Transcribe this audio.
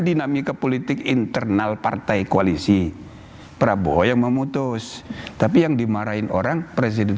dinamika politik internal partai koalisi prabowo yang memutus tapi yang dimarahin orang presiden